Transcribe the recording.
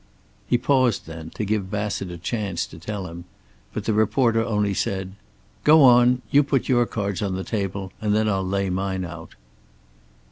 He paused then, to give Bassett a chance to tell him, but the reporter only said: "Go on, you put your cards on the table, and then I'll lay mine out."